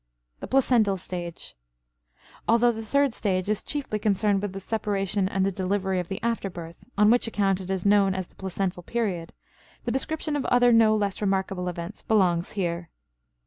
THE PLACENTAL STAGE. Although the third stage is chiefly concerned with the separation and the delivery of the after birth, on which account it is known as the placental period, the description of other no less remarkable events belongs here.